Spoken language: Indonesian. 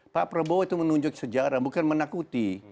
pak prabowo itu menunjuk sejarah bukan menakuti